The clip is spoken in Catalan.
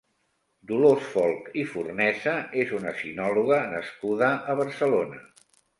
Dolors Folch i Fornesa és una sinòloga nascuda a Barcelona.